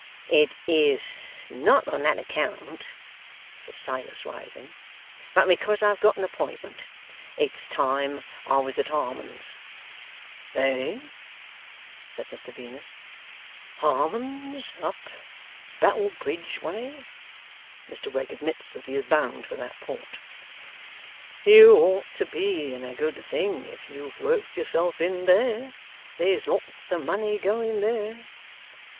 'It is not on that account,' says Silas, rising, 'but because I've got an appointment. It's time I was at Harmon's.' 'Eh?' said Mr Venus. 'Harmon's, up Battle Bridge way?' Mr Wegg admits that he is bound for that port. 'You ought to be in a good thing, if you've worked yourself in there. There's lots of money going, there.